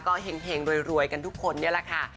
ก็เห็งรวยกันทุกคนนี่แหละค่ะ